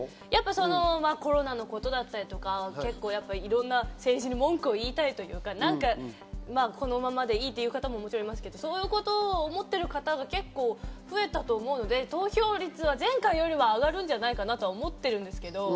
コロナのことだったりとか、結構いろんな政治に文句を言いたいとか、このままでいいという方ももちろんいますけど、そういうことを思ってる方が結構、増えたと思うので投票率は前回よりは上がるんじゃないかなと思っているんですけど。